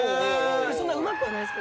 そんなうまくはないですけど。